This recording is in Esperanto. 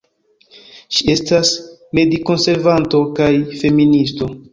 Ŝi estas medikonservanto kaj feministo.